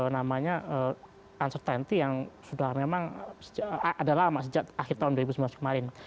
namanya uncertainty yang sudah memang ada lama sejak akhir tahun dua ribu sembilan belas kemarin